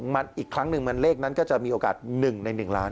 มันอีกครั้งหนึ่งมันเลขนั้นก็จะมีโอกาส๑ใน๑ล้าน